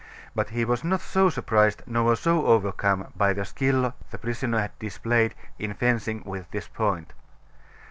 But he was not so surprised nor so overcome by the skill the prisoner had displayed in fencing with this point.